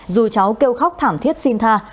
dù cháu kêu khóc thảm thiết xin tha